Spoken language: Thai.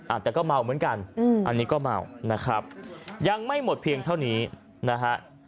อาจจะก็เมาเหมือนกันอืมอันนี้ก็เมานะครับยังไม่หมดเพียงเท่านี้นะฮะ